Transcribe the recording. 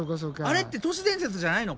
あれって都市伝説じゃないの？